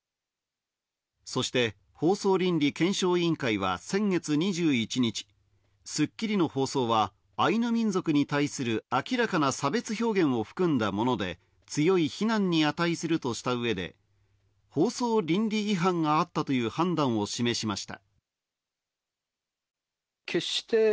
そして放送倫理検証委員会は先月２１日、『スッキリ』の放送はアイヌ民族に対する明らかな差別表現を含んだもので、強い非難に値するとした上で、放送倫理違反があったという判断を示しました。